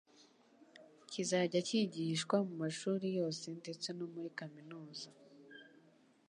kizajya kigishwa mu mashuri yose ndetse no muri kaminuza.